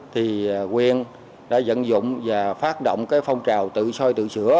thì quyền đã dẫn dụng và phát động cái phong trào tự soi tự sửa